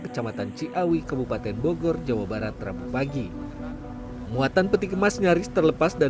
kecamatan ciawi kabupaten bogor jawa barat rabu pagi muatan peti kemas nyaris terlepas dan